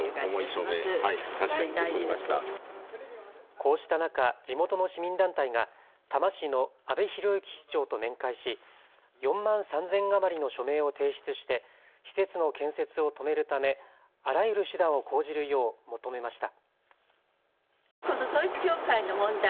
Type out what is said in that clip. こうした中、地元の市民団体が多摩市の阿部裕行市長と面会し４万３０００余りの署名を提出して施設の建設を止めるためあらゆる手段を講じるよう求めました。